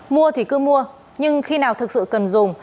mua thì cứ mua nhưng khi nào thực sự cần dùng